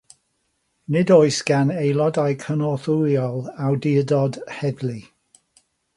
Nid oes gan aelodau cynorthwyol awdurdod heddlu.